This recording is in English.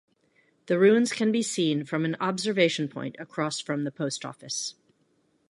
The ruins can be seen from an observation point across from the post office.